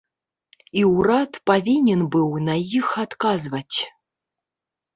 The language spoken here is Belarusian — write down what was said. І ўрад павінен быў на іх адказваць.